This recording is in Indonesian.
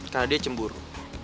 karena dia cemburu